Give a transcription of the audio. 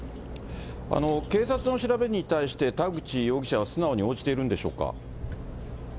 警察の調べに対して、田口容疑者は素直に応じているんでしょうか。